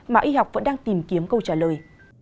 mà y học vẫn đang tìm kiếm câu trả lời